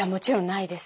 ないです。